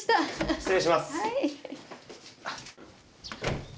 失礼します。